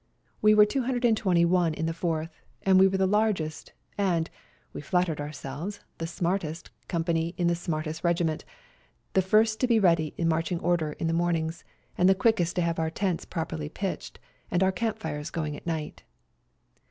We were 221 in the Fourth, and were the largest, and, we flattered om selves, the smartest, company of the smartest regiment, the first to be ready in marching order in the mornings, and the quickest to have our tents properly pitched and our camp fires going at night.